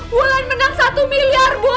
hulan menang satu miliar ibu